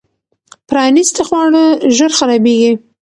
پرانیستي خواړه ژر خرابېږي.